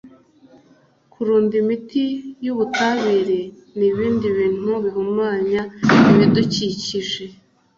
kurunda imiti y ubutabire n ibindi bintu bihumanya ibidukikije